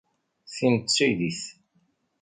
Tin d taydit.